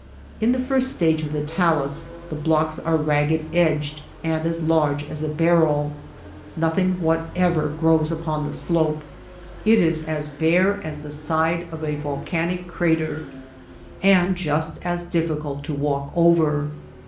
In the first stage of the talus the blocks are ragged edged and as large as a barrel. !N"othing whatever grows upon the slope. It is as bare as the side of a volcanic crater. And just as diffi cult to walk over.